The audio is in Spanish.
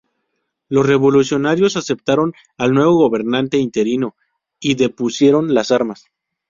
Los revolucionarios aceptaron al nuevo gobernante interino y depusieron las armas.